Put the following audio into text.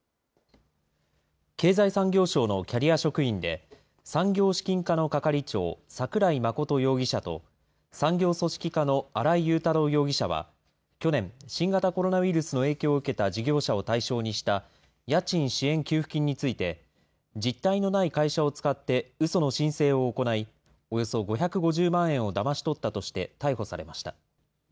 経済産業省のキャリア職員で、産業資金課の係長、櫻井眞容疑者と産業組織課の新井雄太郎容疑者は、去年、新型コロナウイルスの影響を受けた事業者を対象にした家賃支援給付金について、実体のない会社を使ってうその申請を行い、およそ５５０万円をだまし取ったとして、逮捕されました。